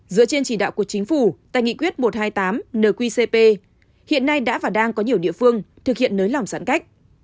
giữa trên chỉ đạo của chính phủ tại nghị quyết một trăm hai mươi tám nqcp hiện nay đã và đang có nhiều địa phương thực hiện lấy lòng sẵn cách